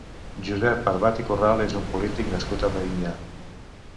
Josep Arbat i Corral és un polític nascut a Medinyà.